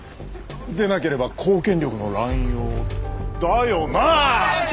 でなければ公権力の乱用だよな！？